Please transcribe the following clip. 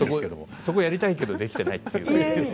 そこをやりたいけどできていなかったと。